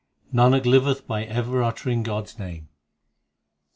Nanak liveth by ever uttering God s name.